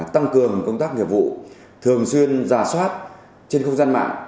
tăng cường công tác nghiệp vụ thường xuyên giả soát trên không gian mạng